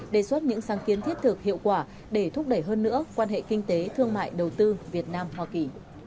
đề xuất những sáng kiến thiết thực hiệu quả để thúc đẩy hơn nữa quan hệ kinh tế thương mại đầu tư việt nam hoa kỳ